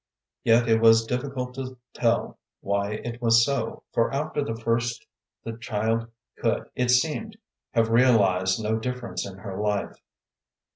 Yet it was difficult to tell why it was so, for after the first the child could, it seemed, have realized no difference in her life.